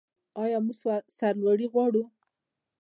آیا موږ سرلوړي غواړو؟